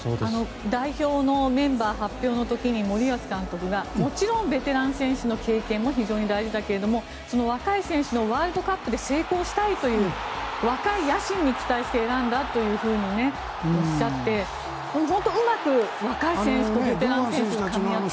代表のメンバー発表の時に森保監督がもちろんベテラン選手の経験も非常に大事だけれども若い選手のワールドカップで成功したいという若い野心に期待して選んだとおっしゃって本当にうまく若い選手とベテラン選手がかみ合って。